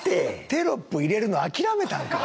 テロップ入れるの諦めたんか。